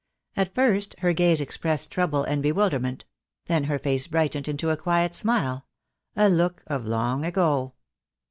At first her gaze expressed trouble and bewilder ment; then her face brightened into a quiet smile, a look of long ago.